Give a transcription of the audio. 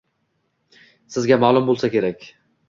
Sizga ma’lum bo‘lsa kerak